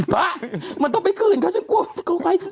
ไอ้พระมันต้องไปคืนเขาให้ฉันซื้อ